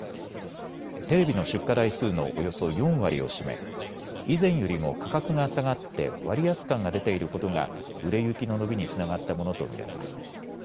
テレビの出荷台数のおよそ４割を占め、以前よりも価格が下がって割安感が出ていることが売れ行きの伸びにつながったものと見られます。